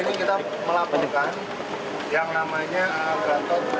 dengan pasal ke tiga puluh delapan penipuan dengan ancaman hukuman di atas kematian